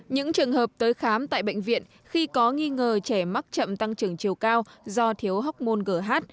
những trường hợp tới khám tại bệnh viện khi có nghi ngờ trẻ mắc chậm tăng trưởng chiều cao do thiếu hóc môn gh